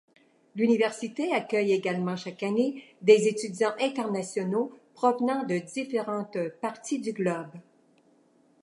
L'université accueil également chaque année des étudiants internationaux provenant de différentes parties du globe.